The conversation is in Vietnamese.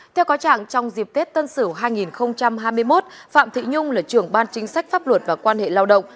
theo có trạng trong dịp tết tân sửu hai nghìn hai mươi một phạm thị nhung là trưởng ban chính sách pháp luật và quan hệ lao động